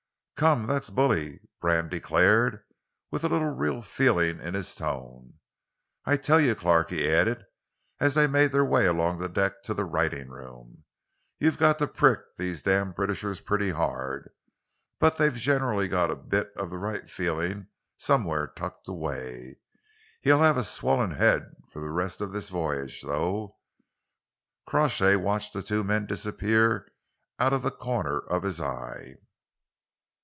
"Come, that's bully," Brand declared, with a little real feeling in his tone. "I tell you, Clark," he added, as they made their way along the deck to the writing room, "you've got to prick these damned Britishers pretty hard, but they've generally got a bit of the right feeling somewhere tucked away. He'll have a swollen head for the rest of this voyage, though." Crawshay watched the two men disappear, out of the corner of his eye.